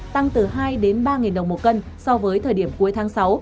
tăng từ hai đến ba đồng một cân so với thời điểm cuối tháng sáu